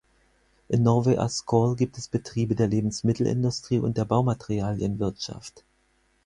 In Nowy Oskol gibt es Betriebe der Lebensmittelindustrie und der Baumaterialienwirtschaft.